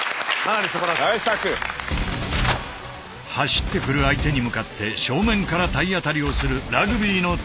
走ってくる相手に向かって正面から体当たりをするラグビーのタックル。